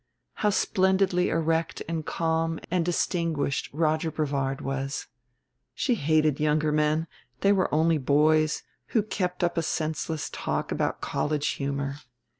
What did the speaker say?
How splendidly erect and calm and distinguished Roger Brevard was! She hated younger men, they were only boys, who kept up a senseless talk about college humor.